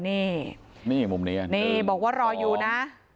นี่นี่มุมนี้นี่บอกว่ารออยู่นะ